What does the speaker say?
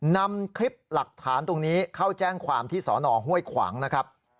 นำคลิปหลักฐานตรงนี้เข้าแจ้งความที่สอนอห้วยขวางนะครับ